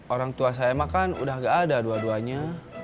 orang tua saya mah kan udah gak ada dua duanya